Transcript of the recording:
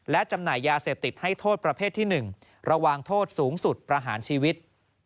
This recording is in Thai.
และจำหน่ายยาเสพติดให้โทษประเภทที่๑ระวังโทษสูงสุดประหารชีวิต